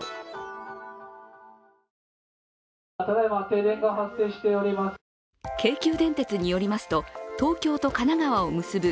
京急電鉄によりますと東京と神奈川を結ぶ